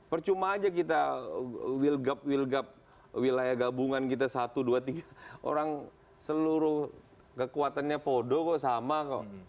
percuma aja kita wilgap wilgap wilayah gabungan kita satu dua tiga orang seluruh kekuatannya podo kok sama kok